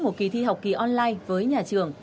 một kỳ thi học kỳ online với nhà trường